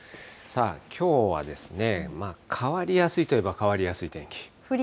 さあ、きょうはですね、変わりやすいといえば変わりやすい天気。